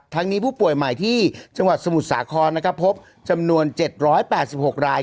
นี้ผู้ป่วยใหม่ที่จังหวัดสมุทรสาครนะครับพบจำนวน๗๘๖ราย